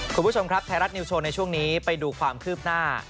คุณผู้ชมครับไทยรัฐนิวโชว์ในช่วงนี้ไปดูความคืบหน้า